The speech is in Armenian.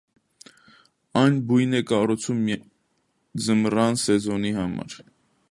Այն բույն է կառուցում միայն ձմռան սեզոնի համար։